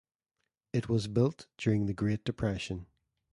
It was built during the Great Depression.